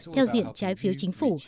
theo diện trái phiếu chính phủ